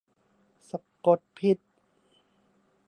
สะกดผิด